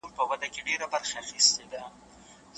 په دغي برخي کي يوازي زه يم.